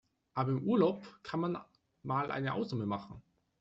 Aber im Urlaub kann man mal eine Ausnahme machen.